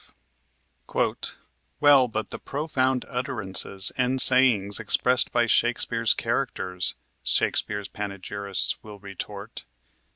V "Well, but the profound utterances and sayings expressed by Shakespeare's characters," Shakespeare's panegyrists will retort.